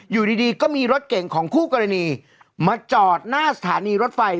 อยู่ดีก็มีรถเก่งของคู่กรณีมาจอดหน้าสถานีรถไฟ